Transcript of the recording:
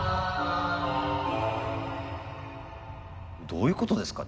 どういうことですか？